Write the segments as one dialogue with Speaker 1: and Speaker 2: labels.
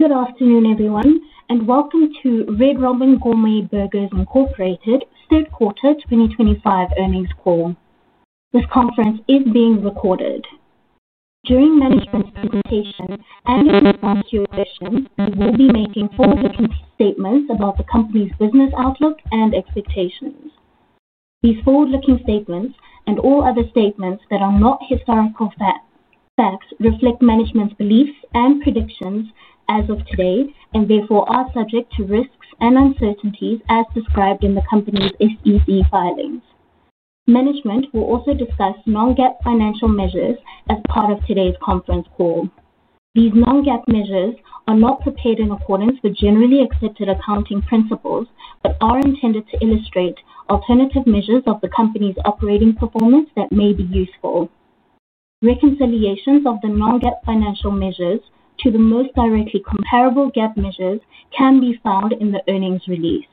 Speaker 1: Good afternoon, everyone, and welcome to Red Robin Gourmet Burgers, Incorporated third quarter 2025 earnings call. This conference is being recorded. During management's presentation, and in response to your questions, we will be making forward-looking statements about the company's business outlook and expectations. These forward-looking statements and all other statements that are not historical facts reflect management's beliefs and predictions as of today and therefore are subject to risks and uncertainties as described in the company's SEC filings. Management will also discuss non-GAAP financial measures as part of today's conference call. These non-GAAP measures are not prepared in accordance with generally accepted accounting principles but are intended to illustrate alternative measures of the company's operating performance that may be useful. Reconciliations of the non-GAAP financial measures to the most directly comparable GAAP measures can be found in the earnings release.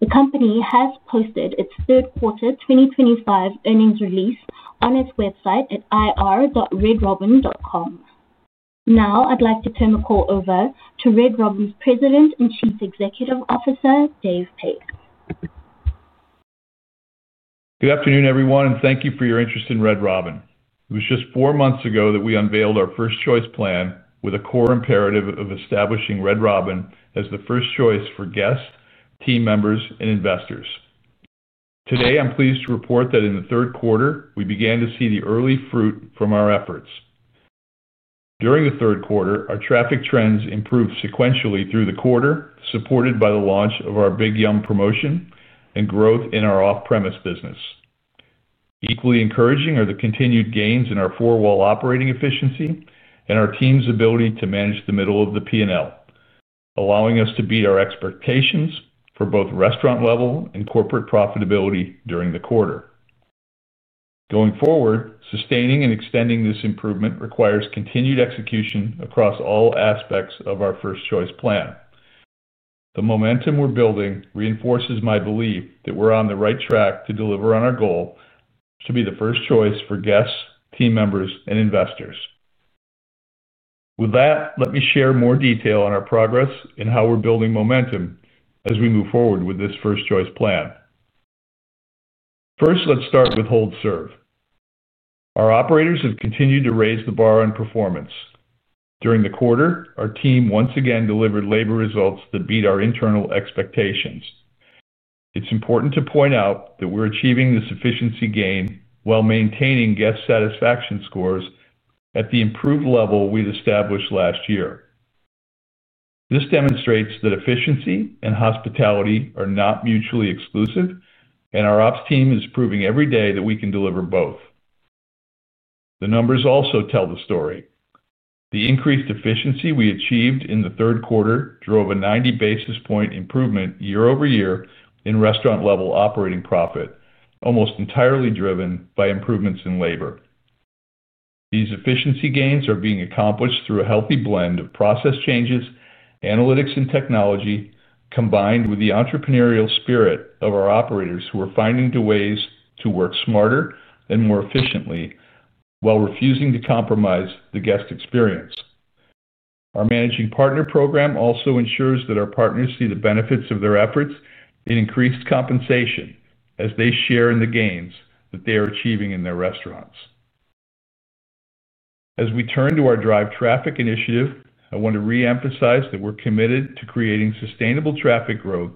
Speaker 1: The company has posted its third quarter 2025 earnings release on its website at ir.redrobin.com. Now, I'd like to turn the call over to Red Robin's President and Chief Executive Officer, Dave Pace.
Speaker 2: Good afternoon, everyone, and thank you for your interest in Red Robin. It was just four months ago that we unveiled our first choice plan with a core imperative of establishing Red Robin as the first choice for guests, team members, and investors. Today, I'm pleased to report that in the third quarter, we began to see the early fruit from our efforts. During the third quarter, our traffic trends improved sequentially through the quarter, supported by the launch of our Big Yummm promotion and growth in our off-premise business. Equally encouraging are the continued gains in our four-wall operating efficiency and our team's ability to manage the middle of the P&L, allowing us to beat our expectations for both restaurant level and corporate profitability during the quarter. Going forward, sustaining and extending this improvement requires continued execution across all aspects of our first choice plan. The momentum we're building reinforces my belief that we're on the right track to deliver on our goal to be the first choice for guests, team members, and investors. With that, let me share more detail on our progress and how we're building momentum as we move forward with this first choice plan. First, let's start with hold-serve. Our operators have continued to raise the bar on performance. During the quarter, our team once again delivered labor results that beat our internal expectations. It's important to point out that we're achieving this efficiency gain while maintaining guest satisfaction scores at the improved level we'd established last year. This demonstrates that efficiency and hospitality are not mutually exclusive, and our ops team is proving every day that we can deliver both. The numbers also tell the story. The increased efficiency we achieved in the third quarter drove a 90-basis point improvement year over year in restaurant-level operating profit, almost entirely driven by improvements in labor. These efficiency gains are being accomplished through a healthy blend of process changes, analytics, and technology, combined with the entrepreneurial spirit of our operators who are finding ways to work smarter and more efficiently while refusing to compromise the guest experience. Our managing partner program also ensures that our partners see the benefits of their efforts in increased compensation as they share in the gains that they are achieving in their restaurants. As we turn to our drive traffic initiative, I want to re-emphasize that we're committed to creating sustainable traffic growth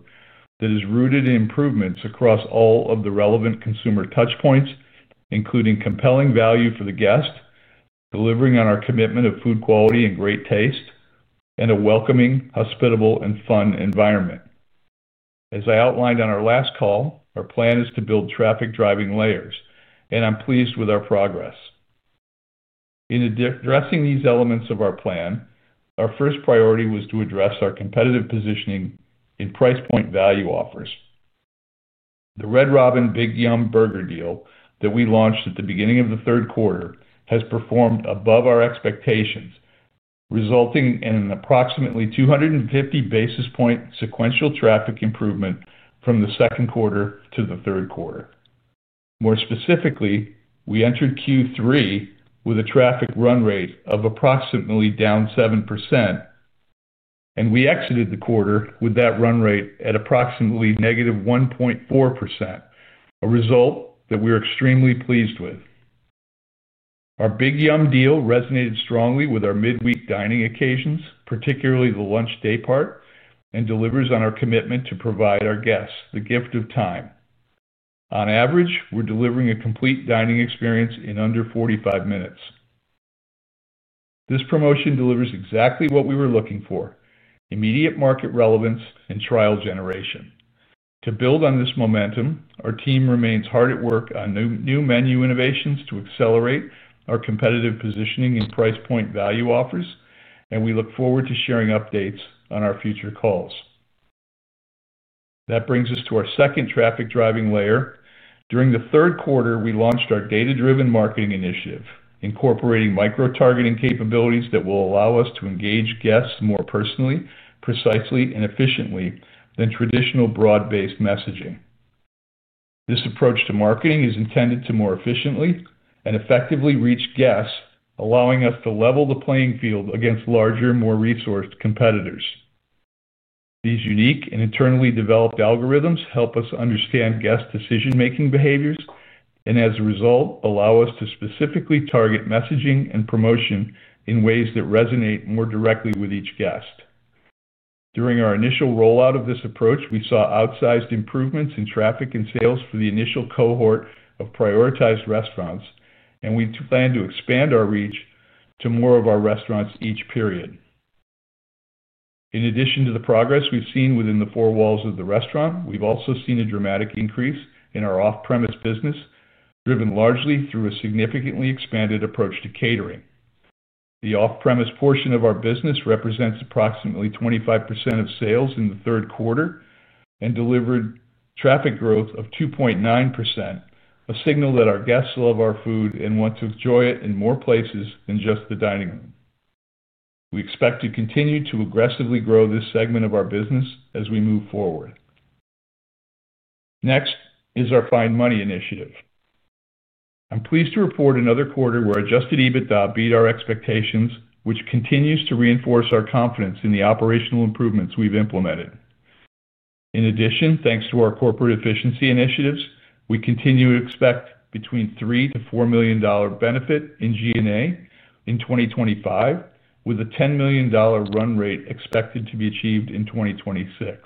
Speaker 2: that is rooted in improvements across all of the relevant consumer touchpoints, including compelling value for the guest, delivering on our commitment of food quality and great taste, and a welcoming, hospitable, and fun environment. As I outlined on our last call, our plan is to build traffic-driving layers, and I'm pleased with our progress. In addressing these elements of our plan, our first priority was to address our competitive positioning in price-point value offers. The Red Robin Big Yummm Burger deal that we launched at the beginning of the third quarter has performed above our expectations, resulting in an approximately 250 basis point sequential traffic improvement from the second quarter to the third quarter. More specifically, we entered Q3 with a traffic run rate of approximately down 7%, and we exited the quarter with that run rate at approximately -1.4%, a result that we're extremely pleased with. Our Big Yummm deal resonated strongly with our mid-week dining occasions, particularly the lunch day part, and delivers on our commitment to provide our guests the gift of time. On average, we're delivering a complete dining experience in under 45 minutes. This promotion delivers exactly what we were looking for: immediate market relevance and trial generation. To build on this momentum, our team remains hard at work on new menu innovations to accelerate our competitive positioning in price-point value offers, and we look forward to sharing updates on our future calls. That brings us to our second traffic-driving layer. During the third quarter, we launched our data-driven marketing initiative, incorporating micro-targeting capabilities that will allow us to engage guests more personally, precisely, and efficiently than traditional broad-based messaging. This approach to marketing is intended to more efficiently and effectively reach guests, allowing us to level the playing field against larger, more resourced competitors. These unique and internally developed algorithms help us understand guest decision-making behaviors and, as a result, allow us to specifically target messaging and promotion in ways that resonate more directly with each guest. During our initial rollout of this approach, we saw outsized improvements in traffic and sales for the initial cohort of prioritized restaurants, and we plan to expand our reach to more of our restaurants each period. In addition to the progress we've seen within the four walls of the restaurant, we've also seen a dramatic increase in our off-premise business, driven largely through a significantly expanded approach to catering. The off-premise portion of our business represents approximately 25% of sales in the third quarter and delivered traffic growth of 2.9%, a signal that our guests love our food and want to enjoy it in more places than just the dining room. We expect to continue to aggressively grow this segment of our business as we move forward. Next is our find money initiative. I'm pleased to report another quarter where Adjusted EBITDA beat our expectations, which continues to reinforce our confidence in the operational improvements we've implemented. In addition, thanks to our corporate efficiency initiatives, we continue to expect between $3 million-$4 million benefit in G&A in 2025, with a $10 million run rate expected to be achieved in 2026.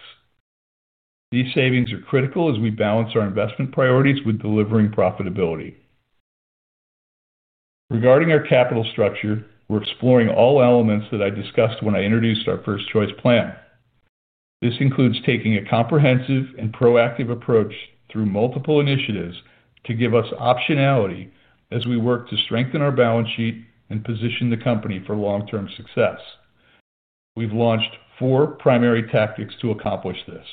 Speaker 2: These savings are critical as we balance our investment priorities with delivering profitability. Regarding our capital structure, we're exploring all elements that I discussed when I introduced our first choice plan. This includes taking a comprehensive and proactive approach through multiple initiatives to give us optionality as we work to strengthen our balance sheet and position the company for long-term success. We've launched four primary tactics to accomplish this.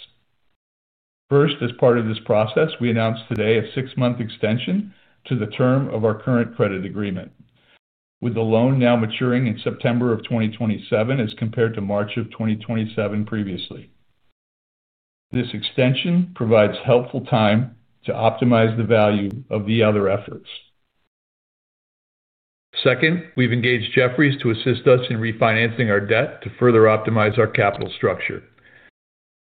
Speaker 2: First, as part of this process, we announced today a six-month extension to the term of our current credit agreement, with the loan now maturing in September of 2027 as compared to March of 2027 previously. This extension provides helpful time to optimize the value of the other efforts. Second, we've engaged Jefferies to assist us in refinancing our debt to further optimize our capital structure.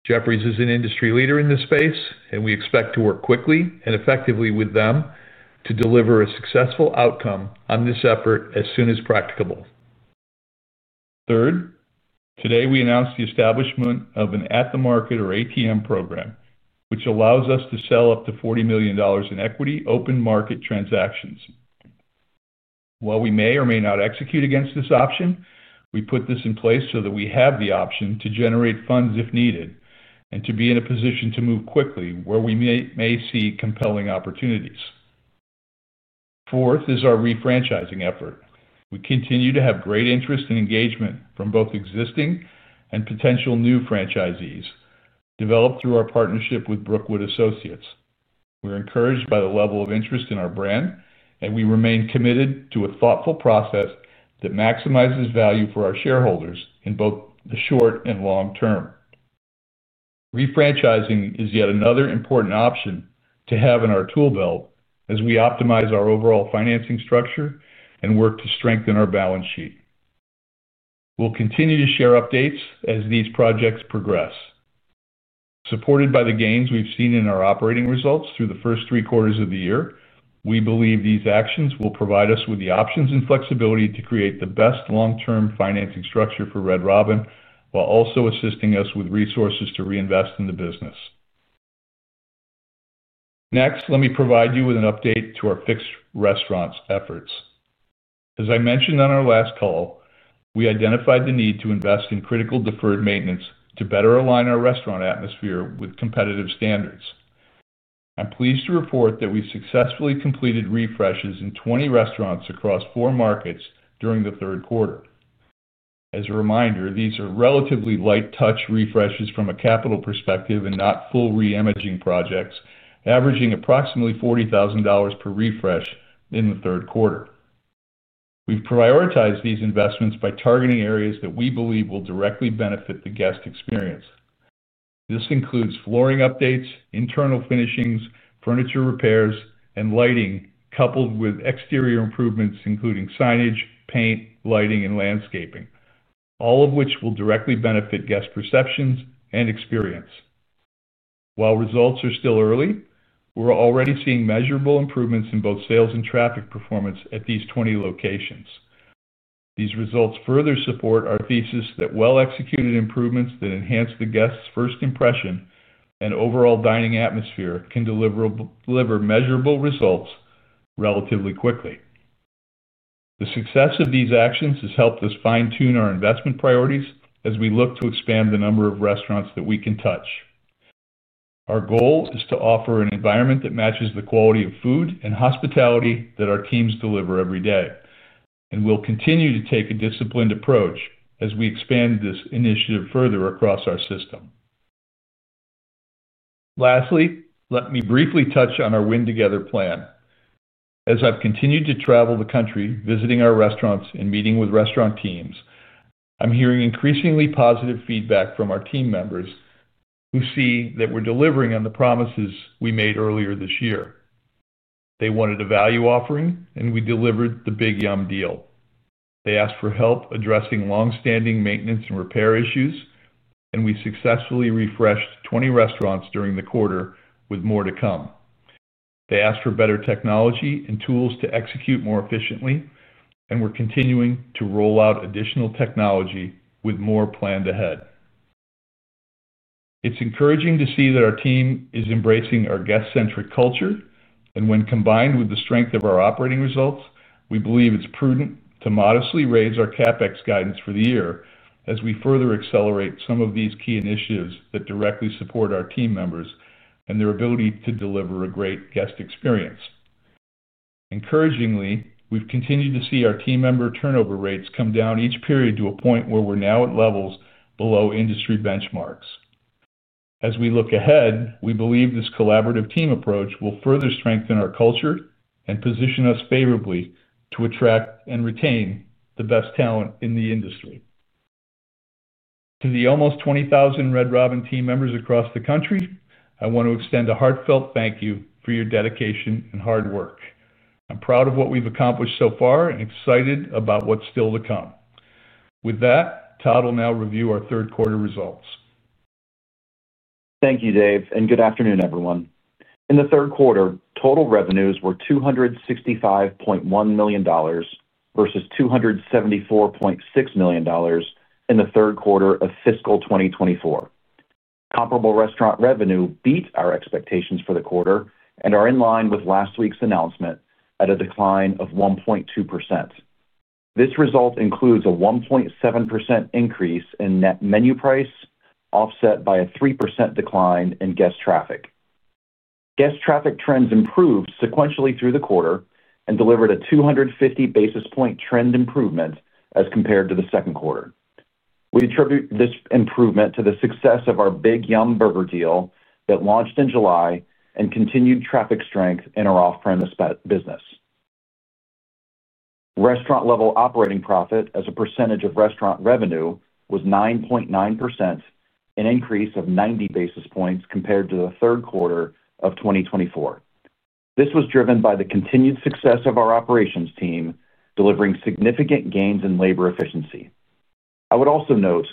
Speaker 2: Jefferies is an industry leader in this space, and we expect to work quickly and effectively with them to deliver a successful outcome on this effort as soon as practicable. Third, today we announced the establishment of an at-the-market or ATM program, which allows us to sell up to $40 million in equity open market transactions. While we may or may not execute against this option, we put this in place so that we have the option to generate funds if needed and to be in a position to move quickly where we may see compelling opportunities. Fourth is our refranchising effort. We continue to have great interest and engagement from both existing and potential new franchisees developed through our partnership with Brookwood Associates. We're encouraged by the level of interest in our brand, and we remain committed to a thoughtful process that maximizes value for our shareholders in both the short and long term. Refranchising is yet another important option to have in our tool belt as we optimize our overall financing structure and work to strengthen our balance sheet. We'll continue to share updates as these projects progress. Supported by the gains we've seen in our operating results through the first three quarters of the year, we believe these actions will provide us with the options and flexibility to create the best long-term financing structure for Red Robin while also assisting us with resources to reinvest in the business. Next, let me provide you with an update to our fixed restaurants efforts. As I mentioned on our last call, we identified the need to invest in critical deferred maintenance to better align our restaurant atmosphere with competitive standards. I'm pleased to report that we successfully completed refreshes in 20 restaurants across four markets during the third quarter. As a reminder, these are relatively light-touch refreshes from a capital perspective and not full reimaging projects, averaging approximately $40,000 per refresh in the third quarter. We've prioritized these investments by targeting areas that we believe will directly benefit the guest experience. This includes flooring updates, internal finishings, furniture repairs, and lighting, coupled with exterior improvements including signage, paint, lighting, and landscaping, all of which will directly benefit guest perceptions and experience. While results are still early, we're already seeing measurable improvements in both sales and traffic performance at these 20 locations. These results further support our thesis that well-executed improvements that enhance the guests' first impression and overall dining atmosphere can deliver measurable results relatively quickly. The success of these actions has helped us fine-tune our investment priorities as we look to expand the number of restaurants that we can touch. Our goal is to offer an environment that matches the quality of food and hospitality that our teams deliver every day, and we'll continue to take a disciplined approach as we expand this initiative further across our system. Lastly, let me briefly touch on our win-together plan. As I've continued to travel the country visiting our restaurants and meeting with restaurant teams, I'm hearing increasingly positive feedback from our team members who see that we're delivering on the promises we made earlier this year. They wanted a value offering, and we delivered the Big Yummm deal. They asked for help addressing long-standing maintenance and repair issues, and we successfully refreshed 20 restaurants during the quarter with more to come. They asked for better technology and tools to execute more efficiently, and we're continuing to roll out additional technology with more planned ahead. It's encouraging to see that our team is embracing our guest-centric culture, and when combined with the strength of our operating results, we believe it's prudent to modestly raise our CapEx guidance for the year as we further accelerate some of these key initiatives that directly support our team members and their ability to deliver a great guest experience. Encouragingly, we've continued to see our team member turnover rates come down each period to a point where we're now at levels below industry benchmarks. As we look ahead, we believe this collaborative team approach will further strengthen our culture and position us favorably to attract and retain the best talent in the industry. To the almost 20,000 Red Robin team members across the country, I want to extend a heartfelt thank you for your dedication and hard work. I'm proud of what we've accomplished so far and excited about what's still to come. With that, Todd will now review our third quarter results.
Speaker 3: Thank you, Dave, and good afternoon, everyone. In the third quarter, total revenues were $265.1 million versus $274.6 million in the third quarter of fiscal 2024. Comparable restaurant revenue beat our expectations for the quarter and are in line with last week's announcement at a decline of 1.2%. This result includes a 1.7% increase in net menu price, offset by a 3% decline in guest traffic. Guest traffic trends improved sequentially through the quarter and delivered a 250-basis point trend improvement as compared to the second quarter. We attribute this improvement to the success of our Big Yummm Burger deal that launched in July and continued traffic strength in our off-premise business. Restaurant-level operating profit as a percentage of restaurant revenue was 9.9%, an increase of 90 basis points compared to the third quarter of 2024. This was driven by the continued success of our operations team, delivering significant gains in labor efficiency. I would also note,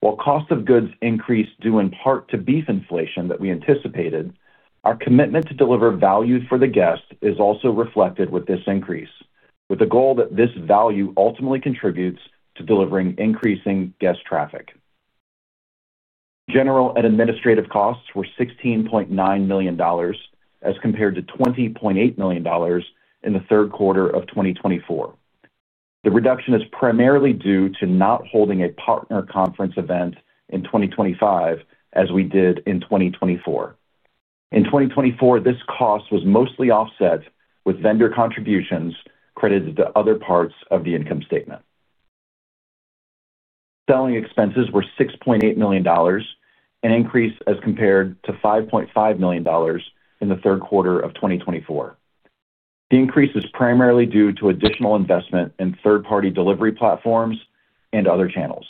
Speaker 3: while cost of goods increased due in part to beef inflation that we anticipated, our commitment to deliver value for the guest is also reflected with this increase, with the goal that this value ultimately contributes to delivering increasing guest traffic. General and administrative costs were $16.9 million as compared to $20.8 million in the third quarter of 2024. The reduction is primarily due to not holding a partner conference event in 2025 as we did in 2024. In 2024, this cost was mostly offset with vendor contributions credited to other parts of the income statement. Selling expenses were $6.8 million, an increase as compared to $5.5 million in the third quarter of 2024. The increase is primarily due to additional investment in third-party delivery platforms and other channels.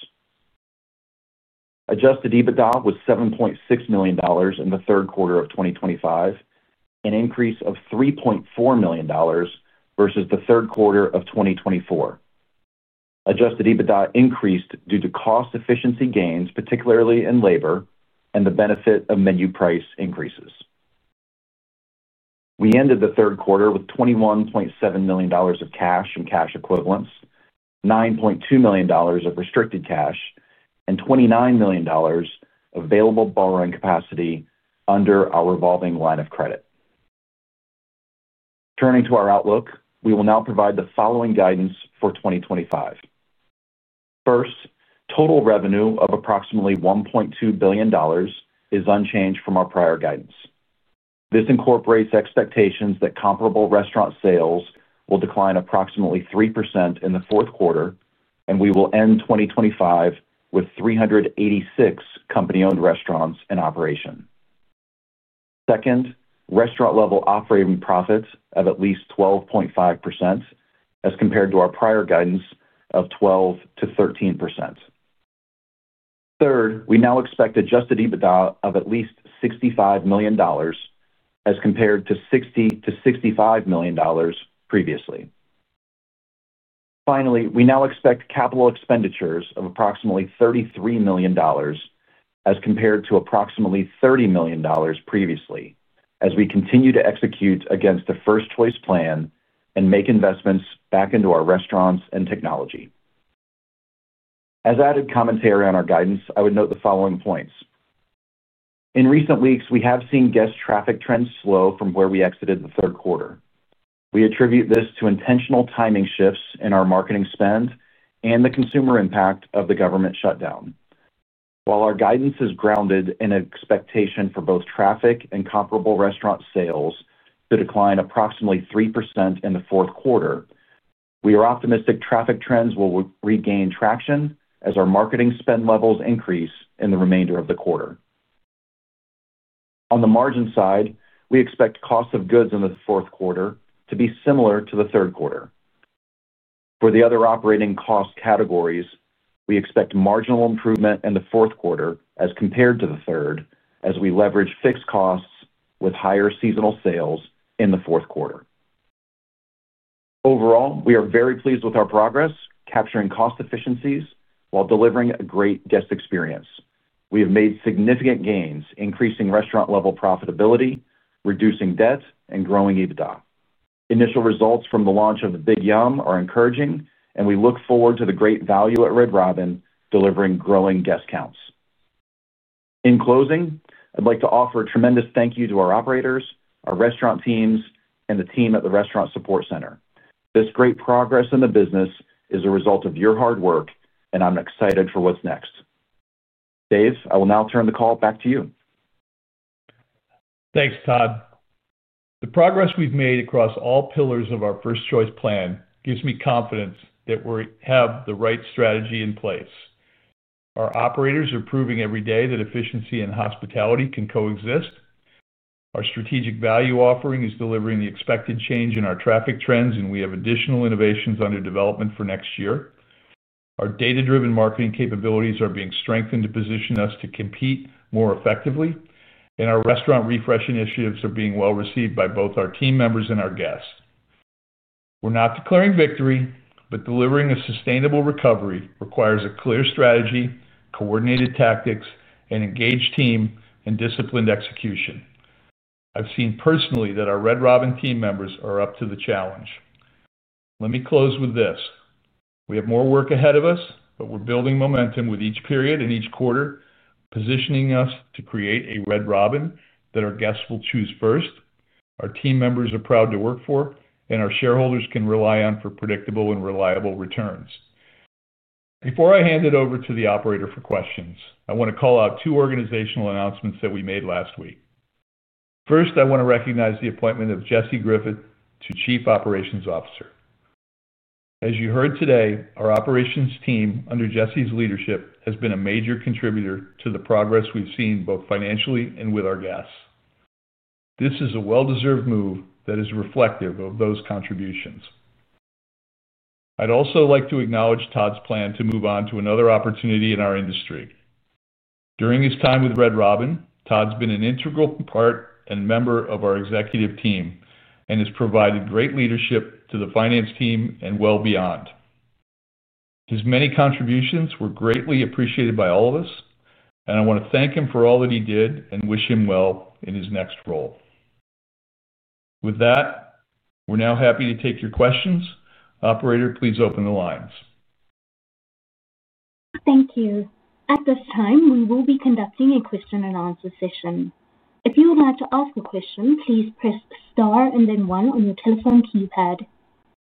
Speaker 3: Adjusted EBITDA was $7.6 million in the third quarter of 2025, an increase of $3.4 million versus the third quarter of 2024. Adjusted EBITDA increased due to cost efficiency gains, particularly in labor, and the benefit of menu price increases. We ended the third quarter with $21.7 million of cash and cash equivalents, $9.2 million of restricted cash, and $29 million of available borrowing capacity under our revolving line of credit. Turning to our outlook, we will now provide the following guidance for 2025. First, total revenue of approximately $1.2 billion is unchanged from our prior guidance. This incorporates expectations that comparable restaurant sales will decline approximately 3% in the fourth quarter, and we will end 2025 with 386 company-owned restaurants in operation. Second, restaurant-level operating profits of at least 12.5% as compared to our prior guidance of 12%-13%. Third, we now expect Adjusted EBITDA of at least $65 million as compared to $60 million-$65 million previously. Finally, we now expect capital expenditures of approximately $33 million as compared to approximately $30 million previously, as we continue to execute against the first choice plan and make investments back into our restaurants and technology. As added commentary on our guidance, I would note the following points. In recent weeks, we have seen guest traffic trends slow from where we exited the third quarter. We attribute this to intentional timing shifts in our marketing spend and the consumer impact of the government shutdown. While our guidance is grounded in expectation for both traffic and comparable restaurant sales to decline approximately 3% in the fourth quarter, we are optimistic traffic trends will regain traction as our marketing spend levels increase in the remainder of the quarter. On the margin side, we expect cost of goods in the fourth quarter to be similar to the third quarter. For the other operating cost categories, we expect marginal improvement in the fourth quarter as compared to the third, as we leverage fixed costs with higher seasonal sales in the fourth quarter. Overall, we are very pleased with our progress, capturing cost efficiencies while delivering a great guest experience. We have made significant gains, increasing restaurant-level profitability, reducing debt, and growing EBITDA. Initial results from the launch of the Big Yummm are encouraging, and we look forward to the great value at Red Robin delivering growing guest counts. In closing, I'd like to offer a tremendous thank you to our operators, our restaurant teams, and the team at the restaurant support center. This great progress in the business is a result of your hard work, and I'm excited for what's next. Dave, I will now turn the call back to you.
Speaker 2: Thanks, Todd. The progress we've made across all pillars of our first choice plan gives me confidence that we have the right strategy in place. Our operators are proving every day that efficiency and hospitality can coexist. Our strategic value offering is delivering the expected change in our traffic trends, and we have additional innovations under development for next year. Our data-driven marketing capabilities are being strengthened to position us to compete more effectively, and our restaurant refresh initiatives are being well received by both our team members and our guests. We're not declaring victory, but delivering a sustainable recovery requires a clear strategy, coordinated tactics, an engaged team, and disciplined execution. I've seen personally that our Red Robin team members are up to the challenge. Let me close with this: we have more work ahead of us, but we're building momentum with each period and each quarter, positioning us to create a Red Robin that our guests will choose first, our team members are proud to work for, and our shareholders can rely on for predictable and reliable returns. Before I hand it over to the operator for questions, I want to call out two organizational announcements that we made last week. First, I want to recognize the appointment of Jesse Griffith to Chief Operations Officer. As you heard today, our operations team under Jesse's leadership has been a major contributor to the progress we've seen both financially and with our guests. This is a well-deserved move that is reflective of those contributions. I'd also like to acknowledge Todd's plan to move on to another opportunity in our industry. During his time with Red Robin, Todd's been an integral part and member of our executive team and has provided great leadership to the finance team and well beyond. His many contributions were greatly appreciated by all of us, and I want to thank him for all that he did and wish him well in his next role. With that, we're now happy to take your questions. Operator, please open the lines.
Speaker 1: Thank you. At this time, we will be conducting a question-and-answer session. If you would like to ask a question, please press star and then one on your telephone keypad.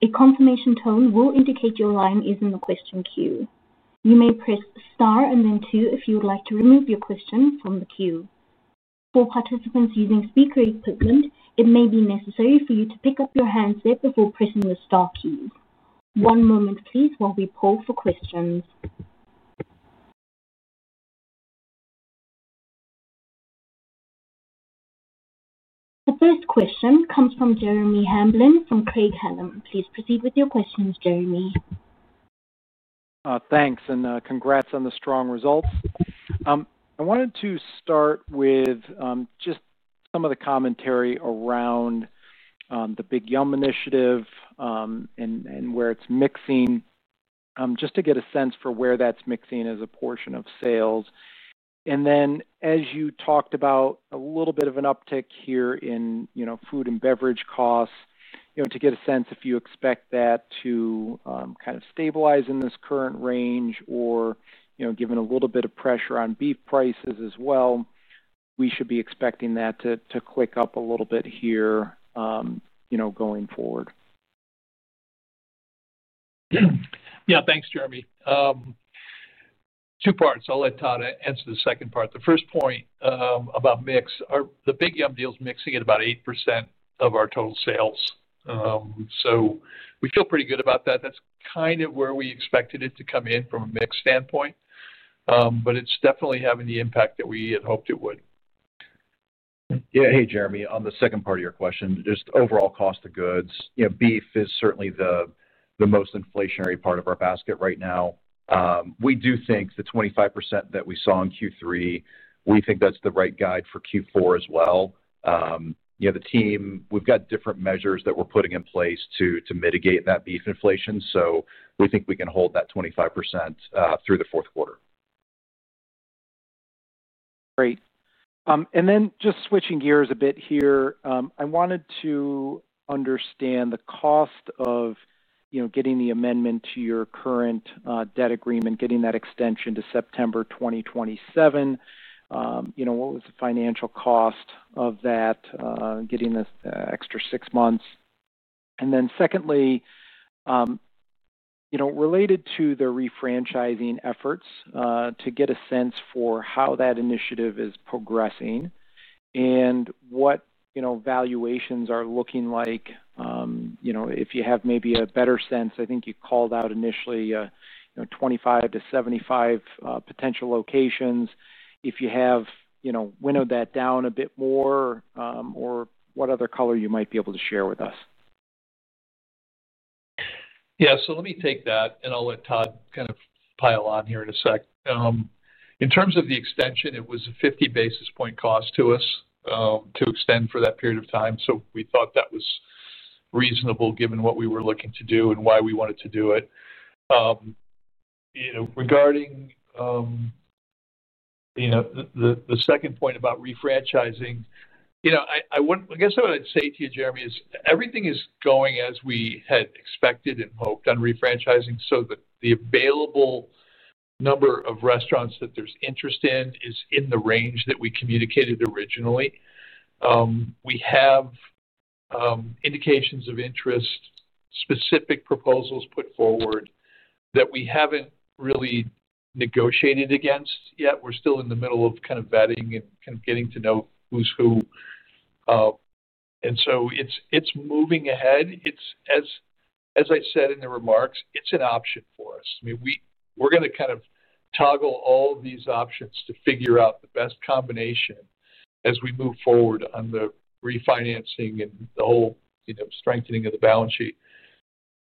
Speaker 1: A confirmation tone will indicate your line is in the question queue. You may press star and then two if you would like to remove your question from the queue. For participants using speaker equipment, it may be necessary for you to pick up your handset before pressing the star keys. One moment, please, while we poll for questions. The first question comes from Jeremy Hamblin from Craig-Hallum. Please proceed with your questions, Jeremy.
Speaker 4: Thanks, and congrats on the strong results. I wanted to start with just some of the commentary around the Big Yummm initiative and where it's mixing, just to get a sense for where that's mixing as a portion of sales. Then, as you talked about, a little bit of an uptick here in food and beverage costs. To get a sense if you expect that to kind of stabilize in this current range or given a little bit of pressure on beef prices as well, we should be expecting that to click up a little bit here going forward.
Speaker 2: Yeah, thanks, Jeremy. Two parts. I'll let Todd answer the second part. The first point about mix: the Big Yummm deal's mixing at about 8% of our total sales. So we feel pretty good about that. That's kind of where we expected it to come in from a mix standpoint, but it's definitely having the impact that we had hoped it would.
Speaker 3: Yeah. Hey, Jeremy, on the second part of your question, just overall cost of goods, beef is certainly the most inflationary part of our basket right now. We do think the 25% that we saw in Q3, we think that's the right guide for Q4 as well. The team, we've got different measures that we're putting in place to mitigate that beef inflation, so we think we can hold that 25% through the fourth quarter.
Speaker 4: Great. And then just switching gears a bit here, I wanted to understand the cost of getting the amendment to your current debt agreement, getting that extension to September 2027. What was the financial cost of that, getting the extra six months? And then secondly, related to the refranchising efforts, to get a sense for how that initiative is progressing and what valuations are looking like. If you have maybe a better sense, I think you called out initially 25-75 potential locations. If you have winnowed that down a bit more, or what other color you might be able to share with us.
Speaker 2: Yeah. Let me take that, and I'll let Todd kind of pile on here in a sec. In terms of the extension, it was a 50 basis point cost to us to extend for that period of time, so we thought that was reasonable given what we were looking to do and why we wanted to do it. Regarding the second point about refranchising, I guess what I'd say to you, Jeremy, is everything is going as we had expected and hoped on refranchising, so the available number of restaurants that there's interest in is in the range that we communicated originally. We have indications of interest, specific proposals put forward that we haven't really negotiated against yet. We're still in the middle of kind of vetting and kind of getting to know who's who. It is moving ahead. As I said in the remarks, it's an option for us. I mean, we're going to kind of toggle all these options to figure out the best combination as we move forward on the refinancing and the whole strengthening of the balance sheet.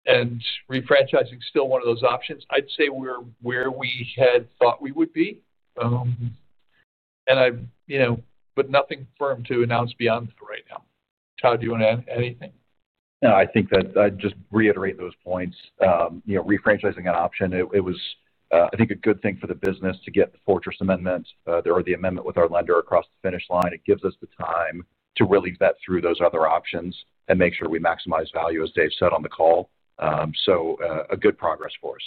Speaker 2: Refranchising is still one of those options. I'd say we're where we had thought we would be, but nothing firm to announce beyond that right now. Todd, do you want to add anything?
Speaker 3: No, I think that I'd just reiterate those points. Refranchising an option, it was, I think, a good thing for the business to get the fortress amendment or the amendment with our lender across the finish line. It gives us the time to really vet through those other options and make sure we maximize value, as Dave said on the call. So a good progress for us.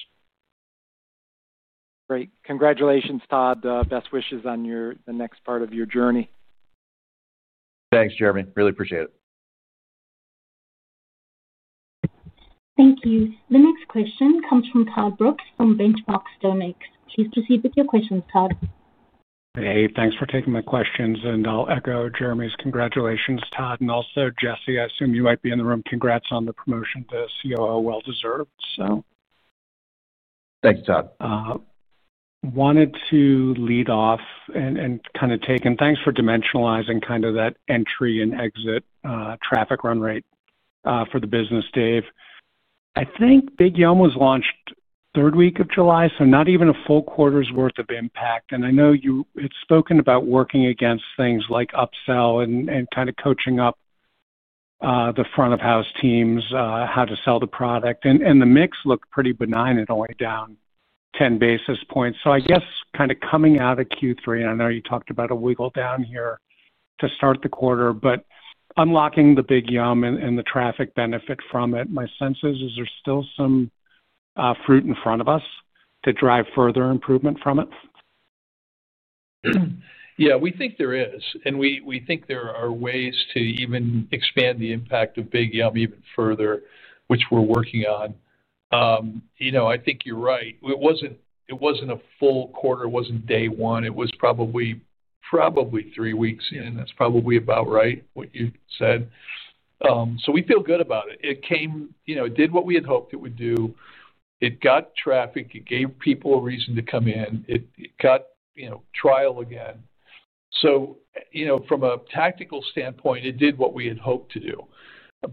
Speaker 4: Great. Congratulations, Todd. Best wishes on the next part of your journey.
Speaker 3: Thanks, Jeremy. Really appreciate it.
Speaker 1: Thank you. The next question comes from Todd Brooks from Benchmark StoneX. Please proceed with your questions, Todd.
Speaker 5: Hey, thanks for taking my questions. And I'll echo Jeremy's congratulations, Todd, and also Jesse. I assume you might be in the room. Congrats on the promotion to COO, well deserved, so.
Speaker 3: Thanks, Todd.
Speaker 5: Wanted to lead off and kind of take—and thanks for dimensionalizing kind of that entry and exit traffic run rate for the business, Dave. I think Big Yummm was launched third week of July, so not even a full quarter's worth of impact. And I know you had spoken about working against things like upsell and kind of coaching up the front-of-house teams, how to sell the product. And the mix looked pretty benign and only down 10 basis points. I guess kind of coming out of Q3, and I know you talked about a wiggle down here to start the quarter, but unlocking the Big Yummm and the traffic benefit from it, my sense is there's still some fruit in front of us to drive further improvement from it.
Speaker 2: Yeah, we think there is. We think there are ways to even expand the impact of Big Yummm even further, which we're working on. I think you're right. It wasn't a full quarter. It wasn't day one. It was probably three weeks in. That's probably about right, what you said. We feel good about it. It did what we had hoped it would do. It got traffic. It gave people a reason to come in. It got trial again. From a tactical standpoint, it did what we had hoped to do.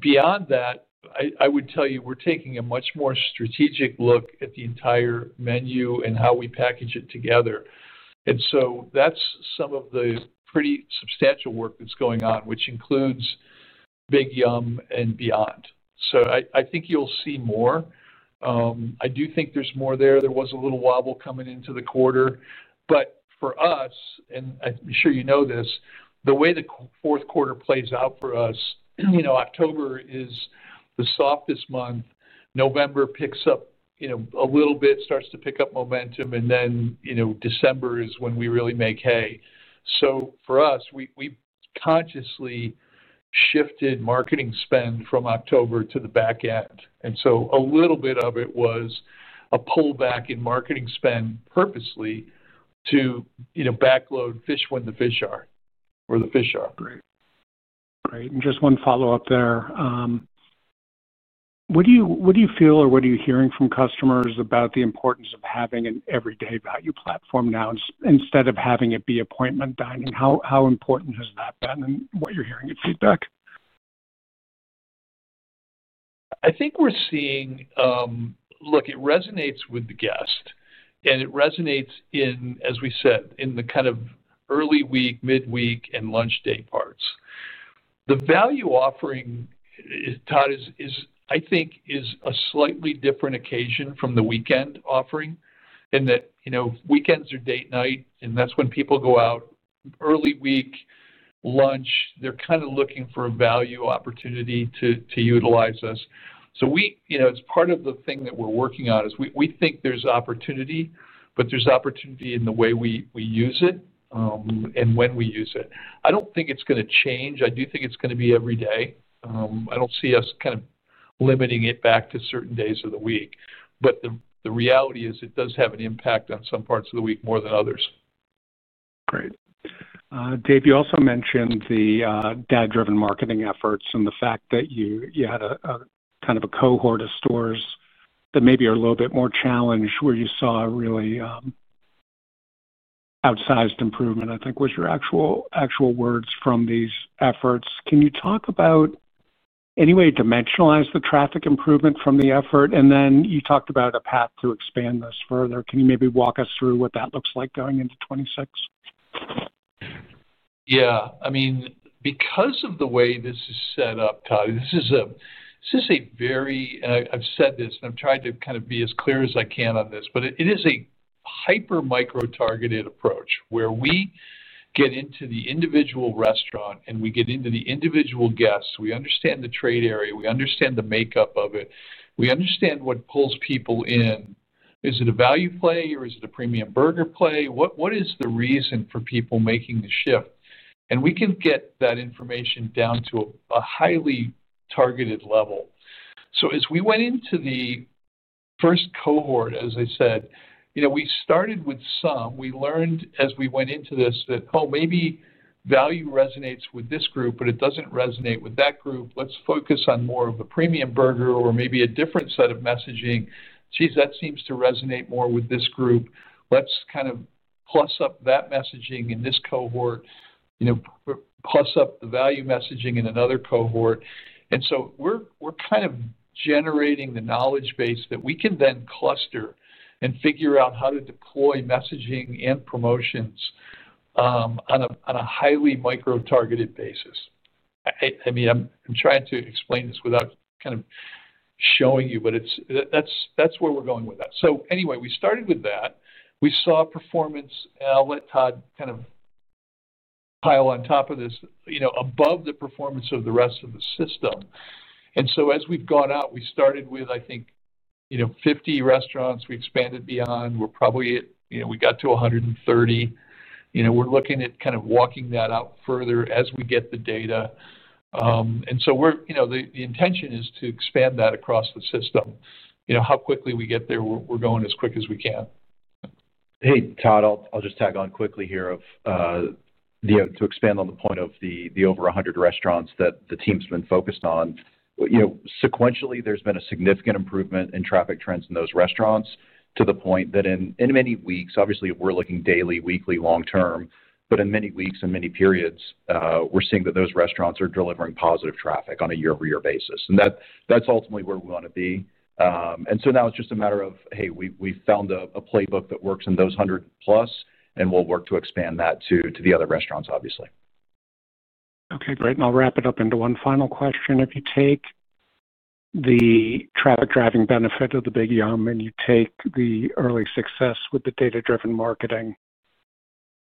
Speaker 2: Beyond that, I would tell you we're taking a much more strategic look at the entire menu and how we package it together. That's some of the pretty substantial work that's going on, which includes Big Yummm and beyond. I think you'll see more. I do think there's more there. There was a little wobble coming into the quarter. For us, and I'm sure you know this, the way the fourth quarter plays out for us, October is the softest month. November picks up a little bit, starts to pick up momentum, and then December is when we really make hay. For us, we consciously shifted marketing spend from October to the back end. A little bit of it was a pullback in marketing spend purposely to backload fish when the fish are or the fish are.
Speaker 5: Great. Great. Just one follow-up there. What do you feel or what are you hearing from customers about the importance of having an everyday value platform now instead of having it be appointment dining? How important has that been and what you're hearing in feedback?
Speaker 2: I think we're seeing—look, it resonates with the guest, and it resonates, as we said, in the kind of early week, midweek, and lunch day parts. The value offering, Todd, I think, is a slightly different occasion from the weekend offering in that weekends are date night, and that's when people go out. Early week, lunch, they're kind of looking for a value opportunity to utilize us. It's part of the thing that we're working on is we think there's opportunity, but there's opportunity in the way we use it and when we use it. I don't think it's going to change. I do think it's going to be every day. I don't see us kind of limiting it back to certain days of the week. The reality is it does have an impact on some parts of the week more than others.
Speaker 5: Great. Dave, you also mentioned the data-driven marketing efforts and the fact that you had kind of a cohort of stores that maybe are a little bit more challenged where you saw a really outsized improvement, I think, was your actual words from these efforts. Can you talk about any way to dimensionalize the traffic improvement from the effort? You talked about a path to expand this further. Can you maybe walk us through what that looks like going into 2026?
Speaker 2: Yeah. I mean, because of the way this is set up, Todd, this is a very—and I've said this, and I've tried to kind of be as clear as I can on this—but it is a hyper-micro-targeted approach where we get into the individual restaurant and we get into the individual guests. We understand the trade area. We understand the makeup of it. We understand what pulls people in. Is it a value play or is it a premium burger play? What is the reason for people making the shift? We can get that information down to a highly targeted level. As we went into the first cohort, as I said, we started with some. We learned as we went into this that, "Oh, maybe value resonates with this group, but it does not resonate with that group. Let's focus on more of a premium burger or maybe a different set of messaging." Geez, that seems to resonate more with this group. Let's kind of plus up that messaging in this cohort, plus up the value messaging in another cohort. We are kind of generating the knowledge base that we can then cluster and figure out how to deploy messaging and promotions on a highly micro-targeted basis. I mean, I'm trying to explain this without kind of showing you, but that's where we're going with that. Anyway, we started with that. We saw performance, and I'll let Todd kind of pile on top of this above the performance of the rest of the system. As we've gone out, we started with, I think, 50 restaurants. We expanded beyond. We're probably at—we got to 130. We're looking at kind of walking that out further as we get the data. The intention is to expand that across the system. How quickly we get there, we're going as quick as we can.
Speaker 3: Hey, Todd, I'll just tag on quickly here to expand on the point of the over 100 restaurants that the team's been focused on. Sequentially, there's been a significant improvement in traffic trends in those restaurants to the point that in many weeks—obviously, we're looking daily, weekly, long-term—but in many weeks and many periods, we're seeing that those restaurants are delivering positive traffic on a year-over-year basis. That's ultimately where we want to be. Now it's just a matter of, "Hey, we found a playbook that works in those 100+, and we'll work to expand that to the other restaurants, obviously."
Speaker 5: Okay. Great. I'll wrap it up into one final question. If you take the traffic driving benefit of the Big Yummm and you take the early success with the data-driven marketing,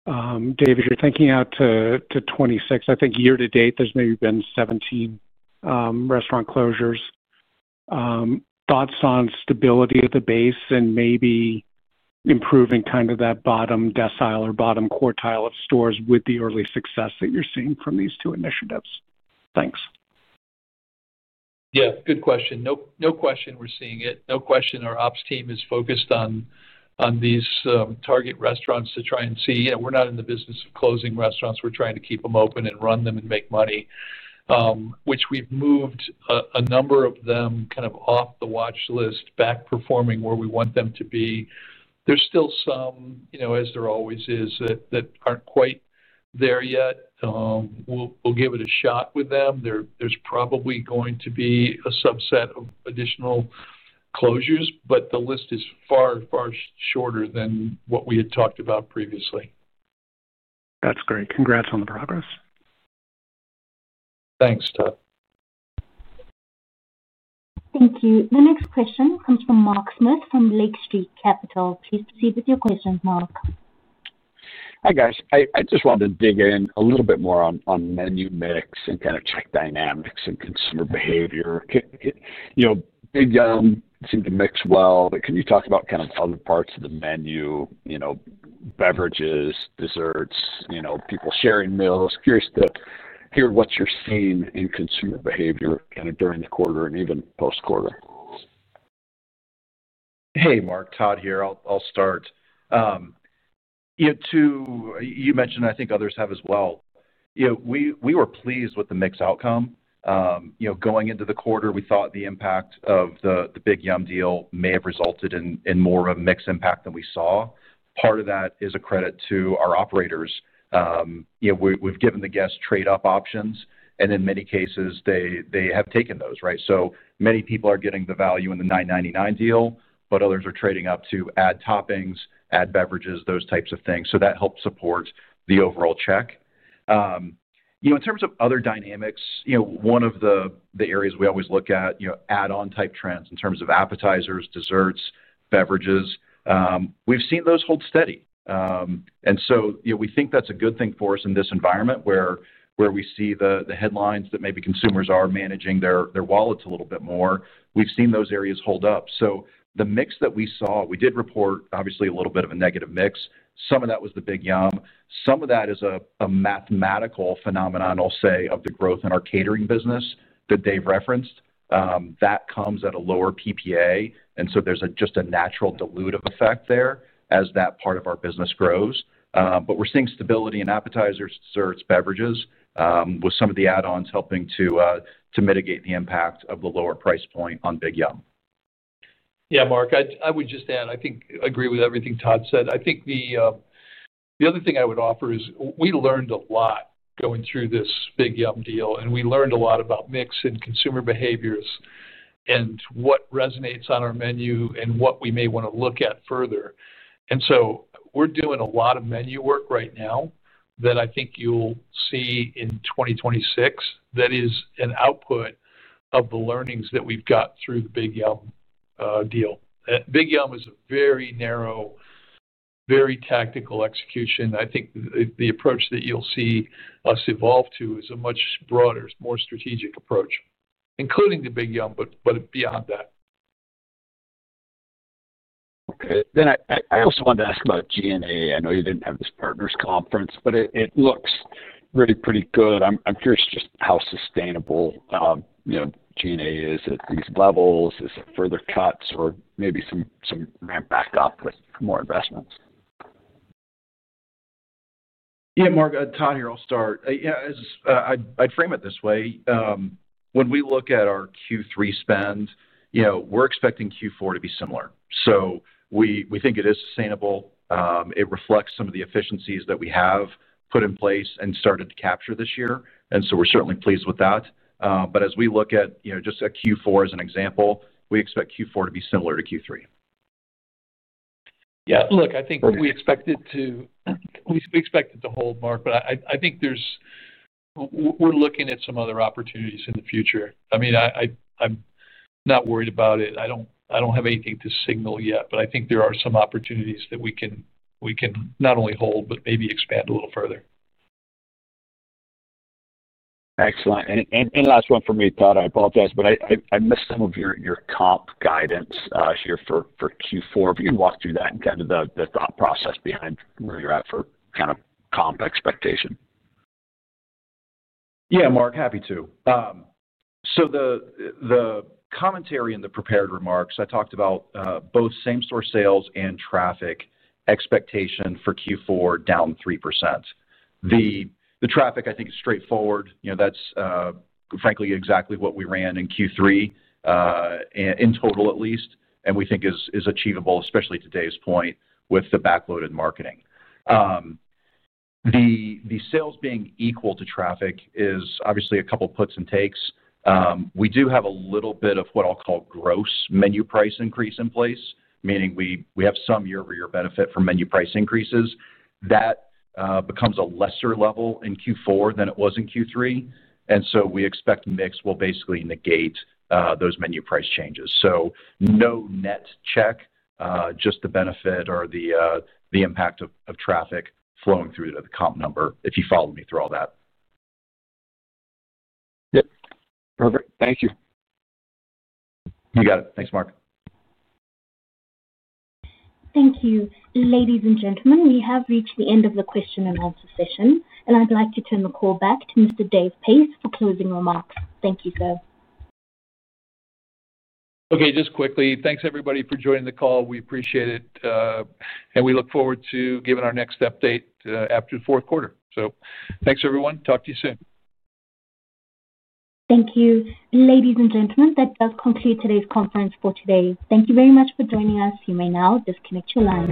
Speaker 5: Dave, as you're thinking out to 2026, I think year to date, there's maybe been 17 restaurant closures. Thoughts on stability of the base and maybe improving kind of that bottom decile or bottom quartile of stores with the early success that you're seeing from these two initiatives? Thanks.
Speaker 2: Yeah. Good question. No question we're seeing it. No question our ops team is focused on these target restaurants to try and see. We're not in the business of closing restaurants. We're trying to keep them open and run them and make money, which we've moved a number of them kind of off the watch list, back performing where we want them to be. There's still some, as there always is, that aren't quite there yet. We'll give it a shot with them. There's probably going to be a subset of additional closures, but the list is far, far shorter than what we had talked about previously.
Speaker 5: That's great. Congrats on the progress.
Speaker 2: Thanks, Todd.
Speaker 1: Thank you. The next question comes from Mark Smith from Lake Street Capital. Please proceed with your questions, Mark.
Speaker 6: Hi, guys. I just wanted to dig in a little bit more on menu mix and kind of check dynamics and consumer behavior. Big Yummm seemed to mix well. Can you talk about kind of other parts of the menu—beverages, desserts, people sharing meals? Curious to hear what you're seeing in consumer behavior kind of during the quarter and even post-quarter.
Speaker 3: Hey, Mark, Todd here. I'll start. You mentioned, I think others have as well. We were pleased with the mixed outcome. Going into the quarter, we thought the impact of the Big Yummm deal may have resulted in more of a mixed impact than we saw. Part of that is a credit to our operators. We've given the guests trade-up options, and in many cases, they have taken those, right? So many people are getting the value in the $9.99 deal, but others are trading up to add toppings, add beverages, those types of things. That helps support the overall check. In terms of other dynamics, one of the areas we always look at, add-on type trends in terms of appetizers, desserts, beverages, we've seen those hold steady. We think that's a good thing for us in this environment where we see the headlines that maybe consumers are managing their wallets a little bit more. We've seen those areas hold up. The mix that we saw, we did report, obviously, a little bit of a negative mix. Some of that was the Big Yummm. Some of that is a mathematical phenomenon, I'll say, of the growth in our catering business that Dave referenced. That comes at a lower PPA. There is just a natural dilutive effect there as that part of our business grows. We are seeing stability in appetizers, desserts, beverages, with some of the add-ons helping to mitigate the impact of the lower price point on Big Yummm.
Speaker 2: Yeah, Mark, I would just add, I think I agree with everything Todd said. I think the other thing I would offer is we learned a lot going through this Big Yummm deal, and we learned a lot about mix and consumer behaviors and what resonates on our menu and what we may want to look at further. We are doing a lot of menu work right now that I think you will see in 2026 that is an output of the learnings that we have got through the Big Yummm deal. Big Yummm is a very narrow, very tactical execution. I think the approach that you'll see us evolve to is a much broader, more strategic approach, including the Big Yummm, but beyond that.
Speaker 6: Okay. Then I also wanted to ask about G&A. I know you didn't have this partners conference, but it looks pretty good. I'm curious just how sustainable G&A is at these levels. Is it further cuts or maybe some ramp back up with more investments?
Speaker 3: Yeah, Mark, Todd here, I'll start. I'd frame it this way. When we look at our Q3 spend, we're expecting Q4 to be similar. We think it is sustainable. It reflects some of the efficiencies that we have put in place and started to capture this year. We are certainly pleased with that. As we look at just a Q4 as an example, we expect Q4 to be similar to Q3.
Speaker 2: Yeah. Look, I think we expect it to—we expect it to hold, Mark, but I think we're looking at some other opportunities in the future. I mean, I'm not worried about it. I don't have anything to signal yet, but I think there are some opportunities that we can not only hold, but maybe expand a little further.
Speaker 6: Excellent. Last one for me, Todd. I apologize, but I missed some of your comp guidance here for Q4. If you can walk through that and kind of the thought process behind where you're at for kind of comp expectation.
Speaker 3: Yeah, Mark, happy to. The commentary in the prepared remarks, I talked about both same-store sales and traffic expectation for Q4 down 3%. The traffic, I think, is straightforward. That's, frankly, exactly what we ran in Q3 in total, at least, and we think is achievable, especially to Dave's point with the backloaded marketing. The sales being equal to traffic is obviously a couple of puts and takes. We do have a little bit of what I'll call gross menu price increase in place, meaning we have some year-over-year benefit from menu price increases. That becomes a lesser level in Q4 than it was in Q3. We expect mix will basically negate those menu price changes. No net check, just the benefit or the impact of traffic flowing through to the comp number if you follow me through all that.
Speaker 6: Yep. Perfect. Thank you.
Speaker 3: You got it. Thanks, Mark.
Speaker 1: Thank you. Ladies and gentlemen, we have reached the end of the question and answer session, and I'd like to turn the call back to Mr Dave Pace for closing remarks. Thank you, sir.
Speaker 2: Okay. Just quickly, thanks everybody for joining the call. We appreciate it, and we look forward to giving our next update after the fourth quarter. Thanks, everyone. Talk to you soon.
Speaker 1: Thank you. Ladies and gentlemen, that does conclude today's conference for today. Thank you very much for joining us. You may now disconnect your line.